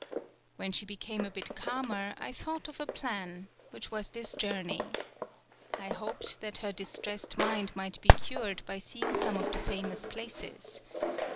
When she became a bit calmer I thought of a plan, which was this journey. I hoped that her distressed mind might be cured by seeing some of the famous places.